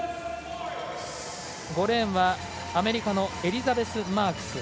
５レーンはアメリカのエリザベス・マークス。